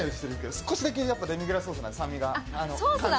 少しだけデミグラスソースに酸味が。